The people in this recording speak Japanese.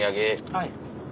はい。